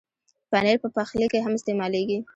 پنېر په پخلي کې هم استعمالېږي.